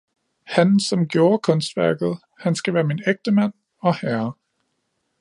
Han, som gjorde kunstværket, han skal være min ægtemand og herre